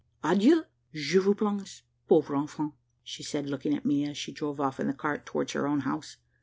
Adieu! Je vous plains, pauvre enfant," said she looking at me as she drove off in the cart towards her own house.